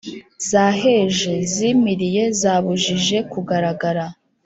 . Zaheje: Zimiriye, zabujije kugaragara.